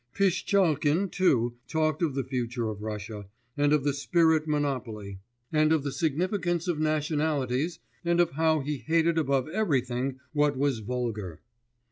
Pishtchalkin, too, talked of the future of Russia, and of the spirit monopoly, and of the significance of nationalities, and of how he hated above everything what was vulgar.